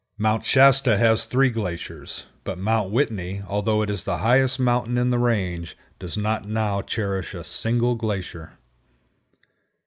Mount Shasta has three glaciers, but Mount Whitney, although it is the highest mountain in the range, does not now cherish a single glacier.